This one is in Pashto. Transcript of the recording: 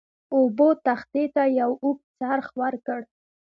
اوبو تختې ته یو اوږد څرخ ورکړ.